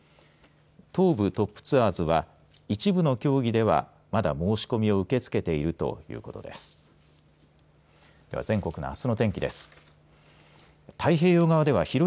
東武トップツアーズは一部の競技ではまだ申し込みを受け付けているということです。